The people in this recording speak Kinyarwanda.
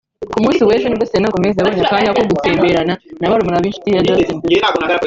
Ku munsi w’ejo nibwo Selena Gomez yabonye akanya ko gutemberana na barumuna b’inshuti ye Justin Bieber